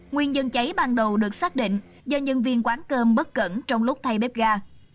nguyên nhân cháy ban đầu được xác định do nhân viên quán cơm bất cẩn trong lúc thay bếp ga